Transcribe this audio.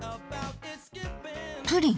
プリン。